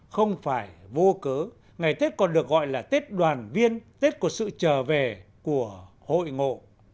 không phải vô cớ ngày tết còn được gọi là tết đoàn viên tết của sự trở về của hội ngộ